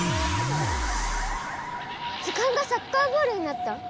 図鑑がサッカーボールになった！